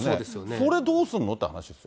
それ、どうすんのって話ですよ。